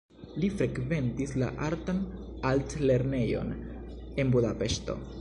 Li frekventis la artan altlernejon en Budapeŝto.